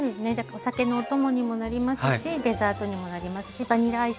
お酒のお供にもなりますしデザートにもなりますしバニラアイスとか。